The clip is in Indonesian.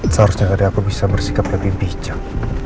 seharusnya hari aku bisa bersikap lebih bijak